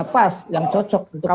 pas yang cocok untuk